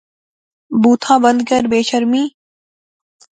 بوتھا بند کر، بے شرمی